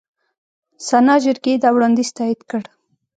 سنا جرګې دا وړاندیز تایید کړ.